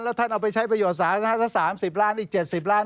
ท่านเอาไปใช้ประโยชนสาธารณะถ้า๓๐ล้านอีก๗๐ล้าน